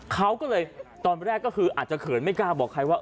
เขาก็เลยตอนแรกก็คืออาจจะเขินไม่กล้าบอกใครว่า